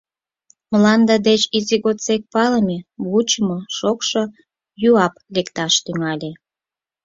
Мланде деч изи годсек палыме, вучымо шокшо юап лекташ тӱҥале.